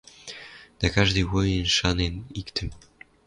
Дӓ каждый воин шанен иктӹм —